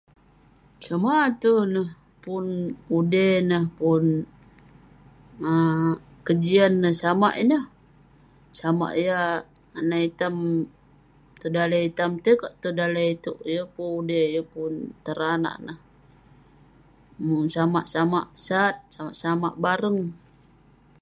Somah ater neh pun udey neh, pun pun ah kejian neh. Samak ineh, samak yah anah itam tong daleh itsm itei kek tong daleh lak itouk. Yeng pun udey yeng pun teranak neh. Samak samak sat, samak samak bareng.